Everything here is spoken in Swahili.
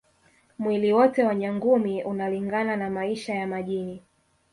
Mwili wote wa Nyangumi unalingana na maisha ya majini